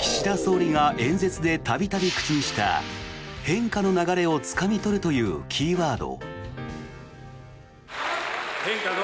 岸田総理が演説で度々口にした変化の流れをつかみ取るというキーワード。